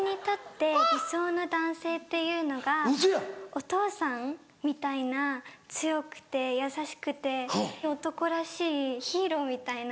お父さんみたいな強くて優しくて男らしいヒーローみたいな。